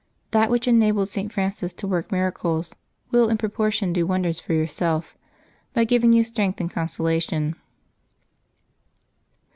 That which enabled .St. Francis to work miracles will in propor tion do wonders for yourself, by giving you strength and consolation.